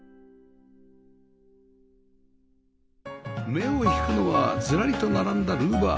目を引くのはずらりと並んだルーバー